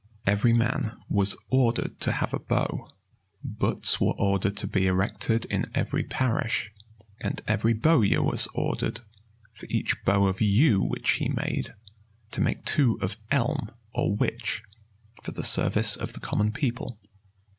Every man was ordered to have a bow;[v] butts were ordered to be erected in every parish;[v*] and every bowyer was ordered, for each bow of yew which he made, to make two of elm or witch, for the service of the common people.